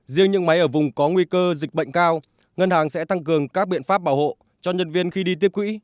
riêng những máy ở vùng có nguy cơ dịch bệnh cao ngân hàng sẽ tăng cường các biện pháp bảo hộ cho nhân viên khi đi tiếp quỹ